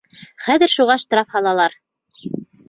Хәҙер шуға штраф һалалар.